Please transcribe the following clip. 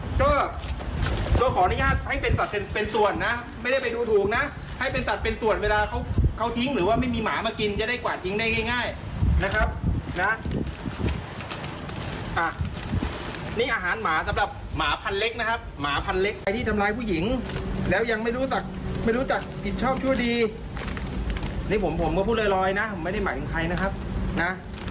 ก็ก็ขออนุญาตให้เป็นสัตว์เป็นเป็นส่วนนะไม่ได้ไปดูถูกนะให้เป็นสัตว์เป็นส่วนเวลาเขาทิ้งหรือว่าไม่มีหมามากินจะได้กวาดทิ้งได้ง่ายนะครับนะอ่ะนี่อาหารหมาสำหรับหมาพันเล็กนะครับหมาพันเล็กไอ้ที่ทำร้ายผู้หญิงแล้วยังไม่รู้จักไม่รู้จักผิดชอบชั่วดีนี่ผมผมก็พูดลอยนะไม่ได้หมายถึงใครนะครับนะ